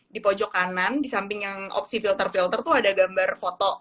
di pojok kanan di samping yang opsi filter filter tuh ada gambar foto